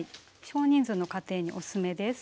少人数の家庭におすすめです。